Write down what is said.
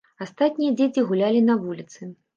Астатнія дзеці гулялі на вуліцы.